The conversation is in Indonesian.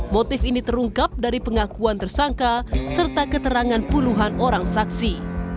motif ini terungkap dari pengakuan tersangka serta keterangan puluhan orang saksi